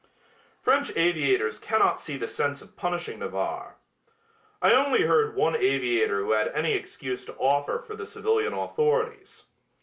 French aviators cannot see the sense of punishing Navarre. I only heard one aviator who had any excuse to offer for the civilian authorities.